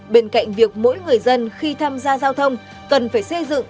bên cạnh việc mỗi người dân khi tham gia giao thông cần phải xây dựng